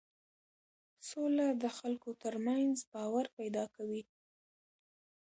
سوله د خلکو ترمنځ باور پیدا کوي